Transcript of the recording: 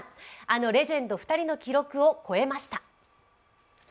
あのレジェンド２人の記録を超えました。